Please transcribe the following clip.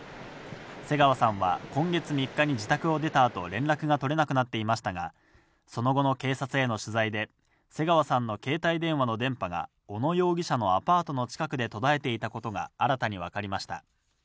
瀬川さんは今月３日に自宅を出たあと連絡が取れなくなっていましたが、その後の警察への取材で、瀬川さんの携帯電話の電波が小野容疑者のアパートの近くで途絶えていたことが新たに分かりました。